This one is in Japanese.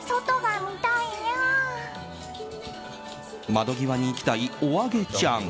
窓際に行きたいおあげちゃん。